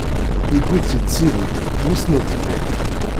Yewwi-tt-id Sidi, mmi-s n utbir.